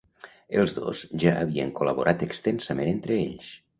Els dos ja havien col·laborat extensament entre ells.